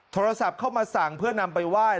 โทรศัพท์เข้ามาสั่งเพื่อนำไปไหว้